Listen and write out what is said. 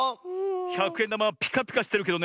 ひゃくえんだまはピカピカしてるけどね